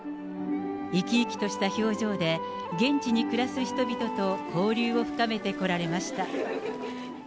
生き生きとした表情で、現地に暮らす人々と交流を深めてこられました。